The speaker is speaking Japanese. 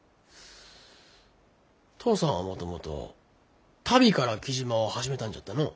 父さんはもともと足袋から雉真を始めたんじゃったのう？